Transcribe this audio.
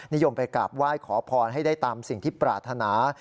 นิยมไปกราบไหว้ขอพรให้ได้ตามสิ่งที่ปรารถนา